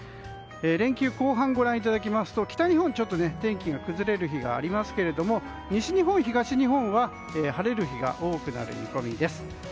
連休後半をご覧いただきますと北日本は天気が崩れる日がありますけど西日本、東日本は晴れる日が多くなる見込みです。